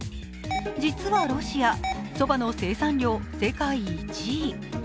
実はロシア、そばの生産量世界１位。